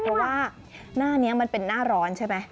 เพราะว่าหน้านี้มันเป็นหน้าร้อนใช่ไหม